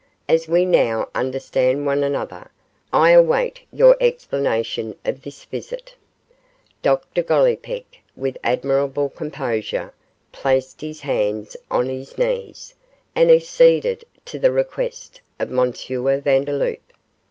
'As we now understand one another, I await your explanation of this visit.' Dr Gollipeck, with admirable composure, placed his hands on his knees, and acceded to the request of M. Vandeloup.